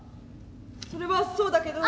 それはそうだけど。